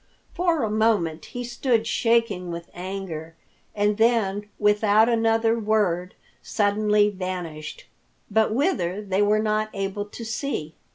For a moment he stood shaking with anger, and then without another word suddenly vanished, but whither they were not able to see.